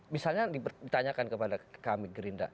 misalnya ditanyakan kepada kami gerindra